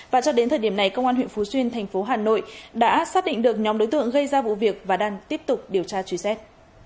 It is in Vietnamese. và cho đến thời điểm này công an huyện phú xuyên thành phố hà nội đã xác định được nhóm đối tượng gây ra vụ việc và đang tiếp tục điều tra truy xét